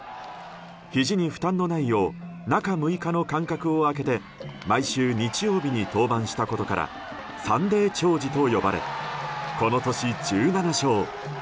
ひじに負担のないよう中６日の間隔を空けて毎週日曜日に登板したことからサンデー兆治と呼ばれこの年１７勝。